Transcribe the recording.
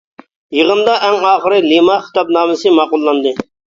يىغىندا ئەڭ ئاخىرى لىما خىتابنامىسى ماقۇللاندى.